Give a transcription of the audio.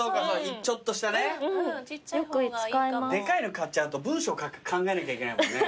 でかいの買っちゃうと文章考えなきゃいけないもんね。